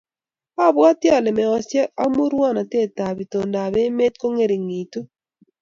Abwati ale meosiek ak murwonetap itondap emet ko ngeringitu